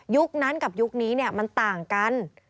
นั้นกับยุคนี้มันต่างกัน